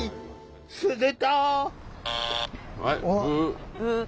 すると！